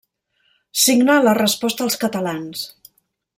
Signa la Resposta als Catalans.